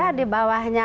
ada di bawahnya